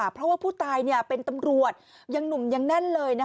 เพราะว่าผู้ตายเป็นตำรวจยังหนุ่มยังแน่นเลย